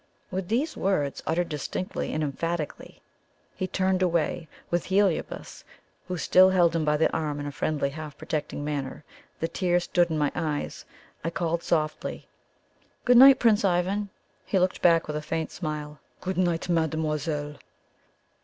"With these words, uttered distinctly and emphatically, he turned away with. Heliobas, who still held him by the arm in a friendly, half protecting manner. The tears stood in my eyes. I called softly: "Good night, Prince Ivan!" He looked back with a faint smile. "Good night, mademoiselle!"